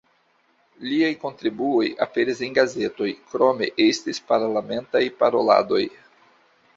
Liaj kontribuoj aperis en gazetoj, krome estis parlamentaj paroladoj.